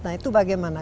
nah itu bagaimana